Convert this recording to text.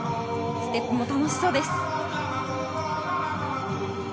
ステップも楽しそうです。